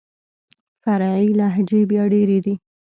فرعي لهجې بيا ډېري دي.